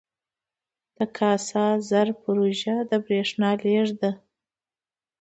د کاسا زر پروژه د بریښنا لیږد ده